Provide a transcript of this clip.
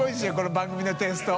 番組のテイスト。